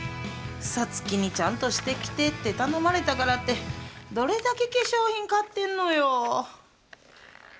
サツキにちゃんとして来てって頼まれたからって、どれだけ化粧品買ってんのよ。